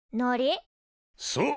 そう。